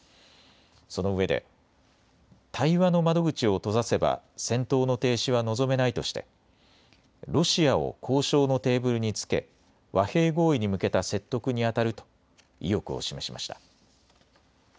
そのうえで対話の窓口を閉ざせば戦闘の停止は望めないとしてロシアを交渉のテーブルにつけ和平合意に向けた説得にあたると意欲を示しました。